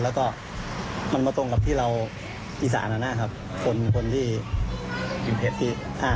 แล้วก็มันมาตรงกับที่เราอีสานนะครับคนที่อยู่เพชรที่อ่า